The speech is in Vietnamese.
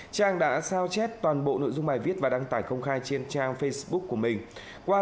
trang đã sao chép toàn bộ nội dung bài viết và đăng tải công khai trên trang facebook của mình qua